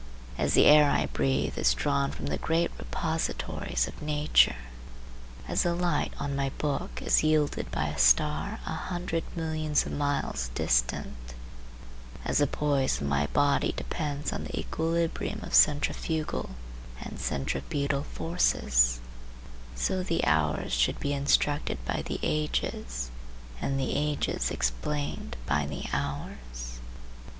As the air I breathe is drawn from the great repositories of nature, as the light on my book is yielded by a star a hundred millions of miles distant, as the poise of my body depends on the equilibrium of centrifugal and centripetal forces, so the hours should be instructed by the ages and the ages explained by the hours.